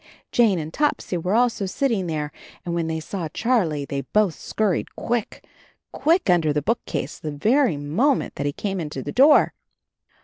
Jane and Topsy were also sitting there and when they saw Charlie they both scurried quick, quick, under the bookcase the very moment that he came into the door.